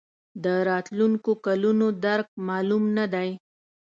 د راتلونکو کلونو درک معلوم نه دی.